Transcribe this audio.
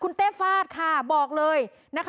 คุณเต้ฟาดครับบอกเลยนะคะ